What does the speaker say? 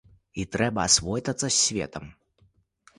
І трэба асвойтацца з светам.